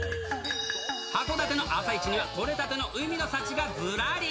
函館の朝市には、取れたての海の幸がずらり。